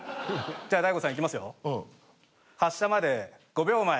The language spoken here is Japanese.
じゃあ大悟さんいきますよ。